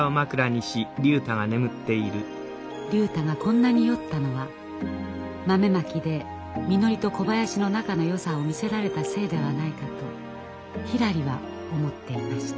竜太がこんなに酔ったのは豆まきでみのりと小林の仲のよさを見せられたせいではないかとひらりは思っていました。